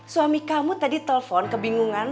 suami kamu tadi telepon kebingungan